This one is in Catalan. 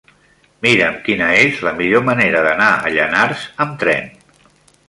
Mira'm quina és la millor manera d'anar a Llanars amb tren.